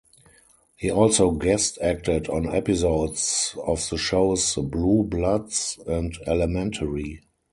He also guest acted on episodes of the shows "Blue Bloods" and "Elementary".